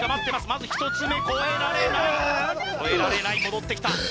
まず１つ目こえられないこえられない戻ってきた